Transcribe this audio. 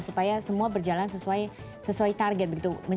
supaya semua berjalan sesuai target begitu